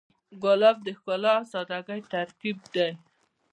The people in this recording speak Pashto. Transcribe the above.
ګلاب د ښکلا او سادګۍ ترکیب دی.